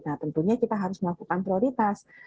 nah tentunya kita harus melakukan prioritas